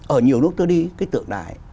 ở nhiều nước tôi đi cái tượng đài